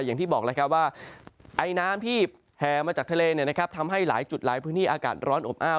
อย่างที่บอกแล้วครับว่าไอน้ำที่แห่มาจากทะเลทำให้หลายจุดหลายพื้นที่อากาศร้อนอบอ้าว